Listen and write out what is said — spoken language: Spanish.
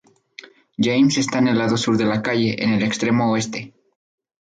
James está en el lado sur de la calle, en el extremo oeste.